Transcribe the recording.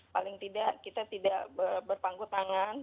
paling tidak kita tidak berpangku tangan